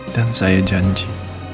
dan saya janji